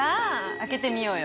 開けてみようよ。